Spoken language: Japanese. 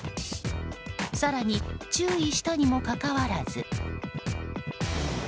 更に、注意したにもかかわらず。